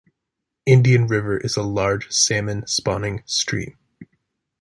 Indian River is a large salmon-spawning stream.